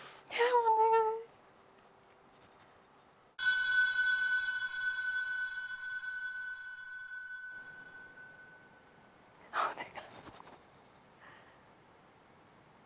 お願い